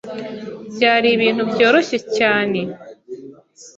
byari ibintu byoroshye cyane